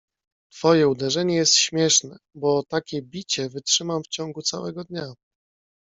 "Twoje uderzenie jest śmieszne, bo takie bicie wytrzymam w ciągu całego dnia."